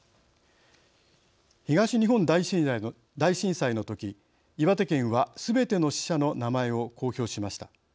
東日本大震災のとき岩手県はすべての死者の名前を公表しました。